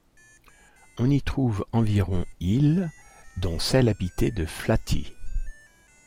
On y trouve environ îles, dont celle habitée de Flatey.